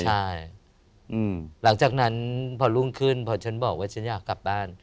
ใช่หลังจากนั้นพอรุ่งขึ้นพอฉันบอกว่าฉันอยากกลับบ้าน